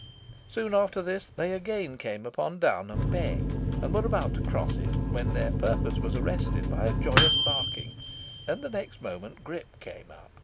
Soon after this they again came upon Downham beck, and were about to cross it, when their purpose was arrested by a joyous barking, and the next moment Grip came up.